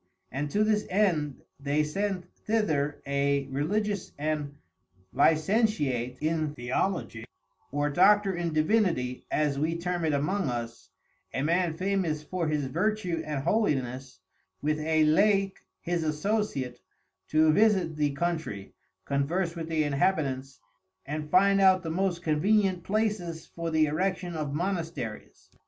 And to this end they sent thither a Religious and Licentiate in Theologie, (or Doctor in Divinity, as we term it among us) a Man Famous for his Vertue and Holiness with a Laic his Associate, to visit the Country, converse with the Inhabitants, and find out the most convenient places for the Erection of Monasteries.